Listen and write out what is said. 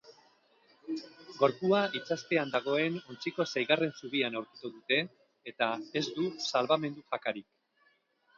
Gorpua itsaspean dagoen ontziko seigarren zubian aurkitu dute, eta ez du salbamendu-jakarik.